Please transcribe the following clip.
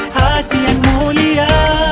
hati yang mulia